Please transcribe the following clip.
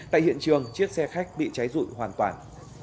tại hiện trường chiếc xe khách bị cháy rụi hoàn toàn